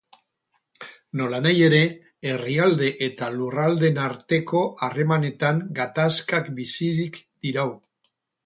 Nolanahi ere, herrialde eta lurraldeen arteko harremanetan gatazkak bizirik dirau.